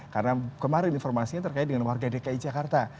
karena kemarin informasinya terkait dengan warga dki jakarta